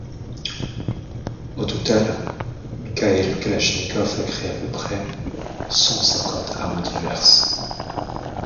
Au total, Mikhaïl Kalachnikov a créé à peu près cent-cinquante armes diverses.